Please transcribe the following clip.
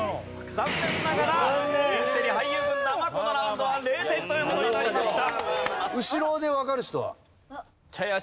残念ながらインテリ俳優軍団はこのラウンドは０点という事になりました。